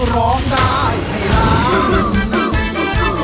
ร้องได้ให้ร้อง